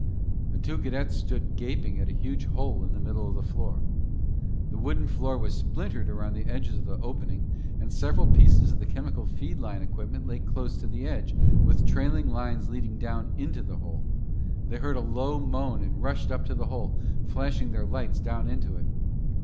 The two cadets stood gaping at a huge hole in the middle of the room. The wooden floor was splintered around the edges of the opening and several pieces of the chemical feed line equipment lay close to the edge, with trailing lines leading down into the hole. They heard a low moan and rushed up to the hole, flashing their lights down into it.